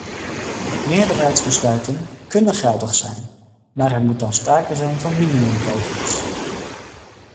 Meerderheidsbesluiten kunnen geldig zijn, maar er moet dan sprake zijn van minimumregels.